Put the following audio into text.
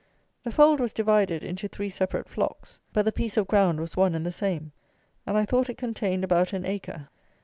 The fold was divided into three separate flocks; but the piece of ground was one and the same; and I thought it contained about an acre.